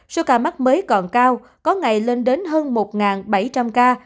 số ca mắc mới còn cao có ngày lên đến hơn một bảy trăm linh ca